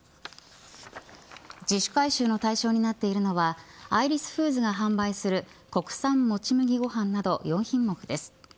自主回収の対象になっているのはアイリスフーズが販売する国産もち麦ごはんなど４品目です。